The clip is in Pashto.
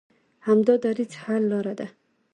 همدا دریځ حل لاره ده.